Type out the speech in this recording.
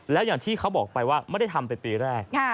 แล้วอย่างที่เขาบอกไปว่าไม่ได้ทำเป็นปีแรก